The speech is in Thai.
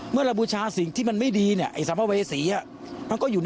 เมื่อบูชาสิ่งที่ไม่ดีเนี่ย